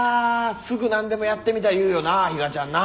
すぐ何でもやってみたい言うよな比嘉ちゃんな。